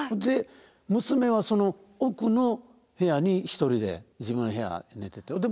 で娘はその奥の部屋に１人で自分の部屋で寝てて。